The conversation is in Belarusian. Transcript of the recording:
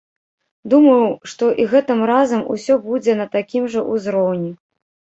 Думаў, што і гэтым разам усё будзе на такім жа ўзроўні.